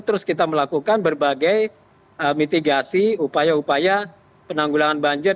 terus kita melakukan berbagai mitigasi upaya upaya penanggulangan banjir